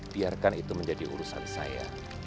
biarkan itu menjadi urusan saya